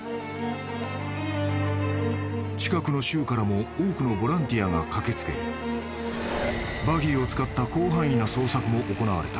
［近くの州からも多くのボランティアが駆け付けバギーを使った広範囲な捜索も行われた］